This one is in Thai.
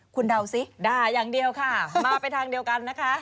คุณเดาซิด่าอย่างเดียวค่ะมาไปทางเดียวกันนะคะ